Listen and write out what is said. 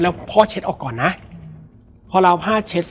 แล้วสักครั้งหนึ่งเขารู้สึกอึดอัดที่หน้าอก